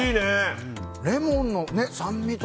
レモンの酸味と。